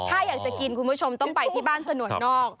ถ้าอยากจะกินคุณผู้ชมต้องไปที่บ้านสนวนนอก